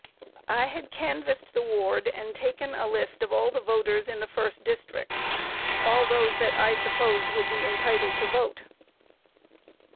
I had canvassed the ward and taken a list of all the voters in the first district; all those that I supposed would be entitled to vote.